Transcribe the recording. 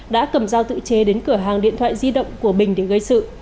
đã cầm dao tự chế đến cửa hàng điện thoại di động của bình để gây sự